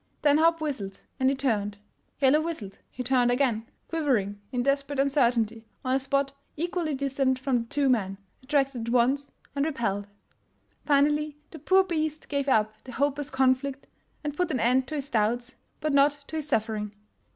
Then Hopp whistled, and he turned; "Yellow" whistled, he turned again — quivering in desperate uncertainty on a spot equally distant from the two men, attracted at once and repelled. Finally the poor beast gave up the hopeless conflict, and put an end to his doubts, but not to his suffering.